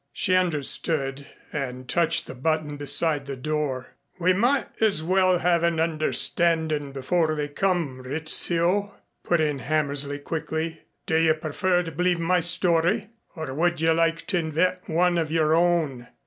She understood and touched the button beside the door. "We might as well have an understanding before they come, Rizzio," put in Hammersley quickly. "Do you prefer to believe my story or would you like to invent one of your own?"